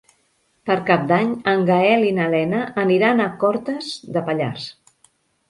Per Cap d'Any en Gaël i na Lena aniran a Cortes de Pallars.